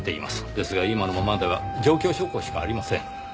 ですが今のままでは状況証拠しかありません。